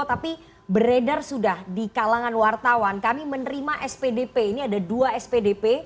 tapi beredar sudah di kalangan wartawan kami menerima spdp ini ada dua spdp